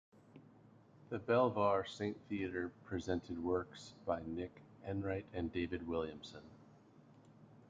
The Belvoir Saint Theatre presented works by Nick Enright and David Williamson.